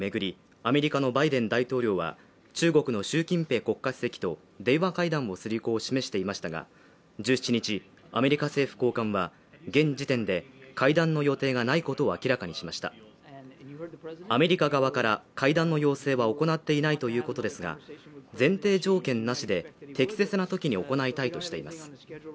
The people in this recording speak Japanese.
アメリカのバイデン大統領は中国の習近平国家主席と電話会談する意向を示していましたが１７日アメリカ政府高官は現時点で会談の予定がないことを明らかにしましたアメリカ側から会談の要請は行っていないということですが前提条件なしで適切な時に行いたいとしています